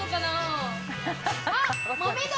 あっ豆だ！